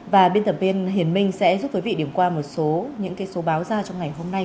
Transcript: và biên tập viên hiền minh sẽ giúp quý vị điểm qua một số những số báo ra trong ngày hôm nay